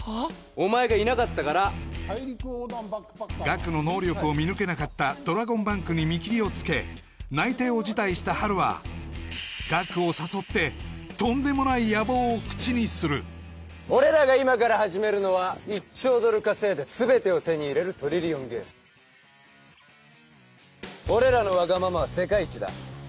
お前がいなかったからガクの能力を見抜けなかったドラゴンバンクに見切りをつけ内定を辞退したハルはガクを誘ってとんでもない野望を口にする俺らが今から始めるのは１兆ドル稼いで全てを手に入れるトリリオンゲーム俺らのワガママは世界一だ